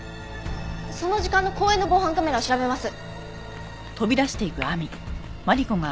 その時間の公園の防犯カメラを調べます。